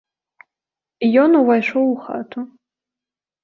Ён увайшоў у хату.